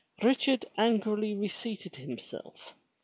Richard angrily reseated himself.